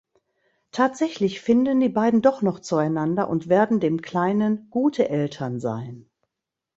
Tatsächlich finden die beiden doch noch zueinander und werden dem Kleinen gute Eltern sein.